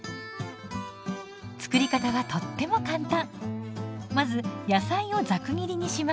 作り方はとっても簡単。